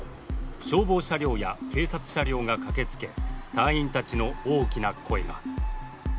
消防車両や警察車両が駆けつけ隊員たちの大きな声が。